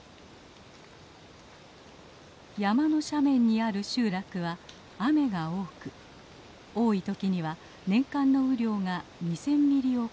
山の斜面にある集落は雨が多く多いときには年間の雨量が２，０００ミリを超えます。